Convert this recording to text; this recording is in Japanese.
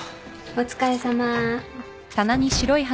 お疲れさま。